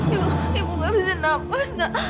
ibu ibu baru bisa nafas gak